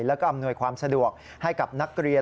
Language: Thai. แล้วก็อำนวยความสะดวกให้กับนักเรียน